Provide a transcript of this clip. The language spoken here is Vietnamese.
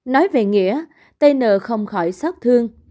nói về nghĩa tn không khỏi xót thương